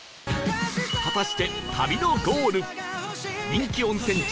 果たして旅のゴール人気温泉地